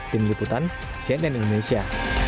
tim liputan cnn indonesia